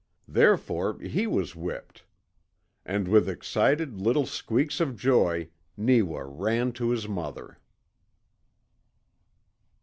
Therefore, he was whipped. And with excited little squeaks of joy Neewa ran to his mother.